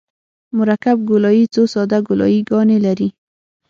مرکب ګولایي څو ساده ګولایي ګانې لري